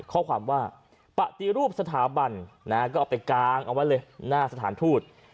ข้อความว่าปฏิรูปสถาบันนะฮะก็เอาไปกางเอาไว้เลยหน้าสถานทูต